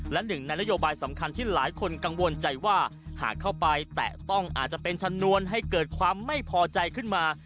และหนึ่งในนโยบายสำคัญที่หลายคนกังวลใจว่าหากเข้าไปแตะต้องอาจจะเป็นชนวนให้เกิดความไม่พอใจขึ้นมา